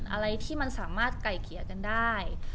อะไรที่มันสามารถไก่เกลี่ยกันได้